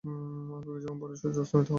অল্প কিছুক্ষণ পরই সূর্য অস্তমিত হল।